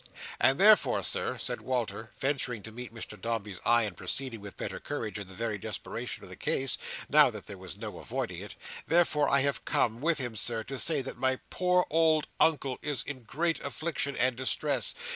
"And therefore, Sir," said Walter, venturing to meet Mr Dombey's eye, and proceeding with better courage in the very desperation of the case, now that there was no avoiding it, "therefore I have come, with him, Sir, to say that my poor old Uncle is in very great affliction and distress.